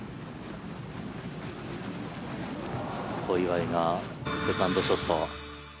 小祝がセカンドショット。